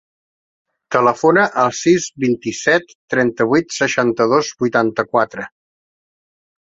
Telefona al sis, vint-i-set, trenta-vuit, seixanta-dos, vuitanta-quatre.